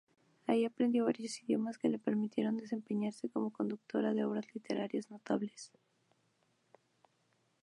Ahí aprendió varios idiomas que le permitieron desempeñarse como traductora de obras literarias notables.